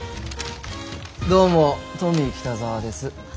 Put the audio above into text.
どうもトミー北沢です。